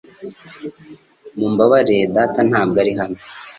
Mumbabarire, data ntabwo ari hano